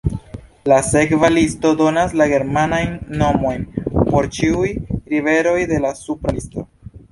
La sekva listo donas la germanajn nomojn por ĉiuj riveroj de la supra listo.